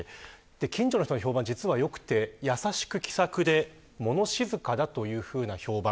近所の人の評判、実は良くて優しく気さくで物静かだというような評判。